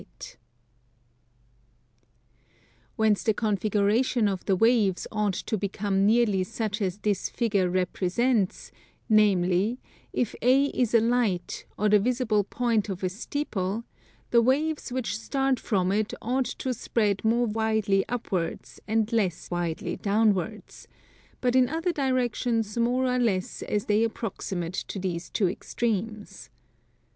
Whence the configuration of the waves ought to become nearly such as this figure represents: namely, if A is a light, or the visible point of a steeple, the waves which start from it ought to spread more widely upwards and less widely downwards, but in other directions more or less as they approximate to these two extremes.